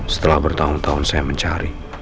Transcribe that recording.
setelah bertahun tahun saya mencari